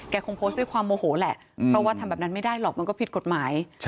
คงโพสต์ด้วยความโมโหแหละเพราะว่าทำแบบนั้นไม่ได้หรอกมันก็ผิดกฎหมาย